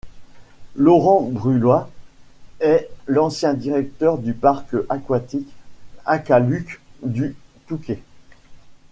Laurent Bruloy est l'ancien directeur du parc aquatique Aqualud du Touquet.